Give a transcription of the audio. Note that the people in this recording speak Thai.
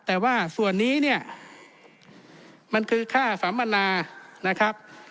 แต่ว่าส่วนนี้เนี่ยมันคือค่าสัมมนานะครับ